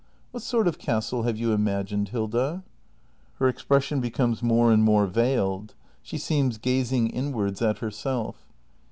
] What sort of castle have you imagined, Hilda ? [Her expression becomes more and more veiled. She seems gazing inwards at herself.